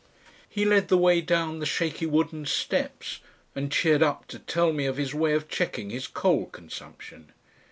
He led the way down the shaky wooden steps and cheered up to tell me of his way of checking his coal consumption.